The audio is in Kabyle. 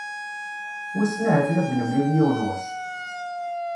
Wissen ahat m'ad d-nemlil yiwen wass?